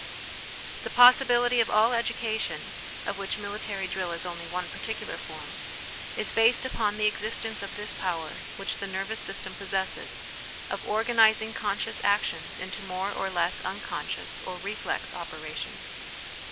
" The possibility of all education (of which military drill is only one particular form) is based upon the existence of this power which the nervous system possesses, of organising conscious actions into more or less unconscious, or reflex, operations.